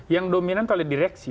yang dominan oleh direksi